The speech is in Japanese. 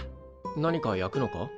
何か焼くのか？